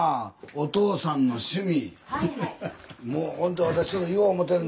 おとうさんの趣味